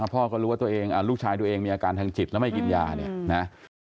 พ่อก็รู้ว่าตัวเองลูกชายตัวเองมีอาการทางจิตแล้วไม่กินยาเนี่ยนะ